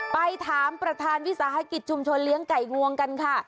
ไปถามประธานวิสาหกิจชุมชนเลี้ยงไก่งวงกันค่ะ